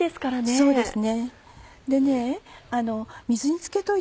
そうなんですね。